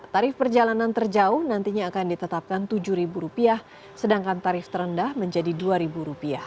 tarif perjalanan terjauh nantinya akan ditetapkan rp tujuh sedangkan tarif terendah menjadi rp dua